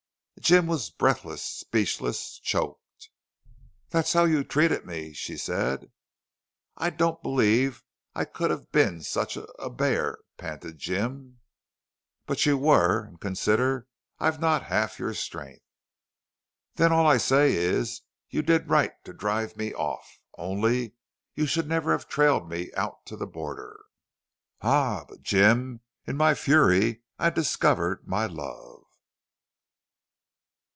Jim was breathless, speechless, choked. "That's how you treated me," she said. "I I don't believe I could have been such a a bear!" panted Jim. "But you were. And consider I've not half your strength." "Then all I say is you did right to drive me off.... Only you should never have trailed me out to the border." "Ah!... But, Jim, in my fury I discovered my love!"